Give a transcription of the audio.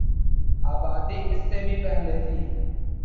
آبادی اس سے بھی پہلے تھی